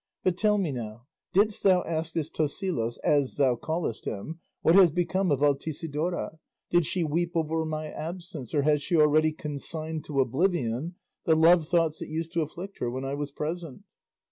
But tell me now, didst thou ask this Tosilos, as thou callest him, what has become of Altisidora, did she weep over my absence, or has she already consigned to oblivion the love thoughts that used to afflict her when I was present?"